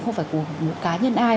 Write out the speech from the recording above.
không phải của một cá nhân ai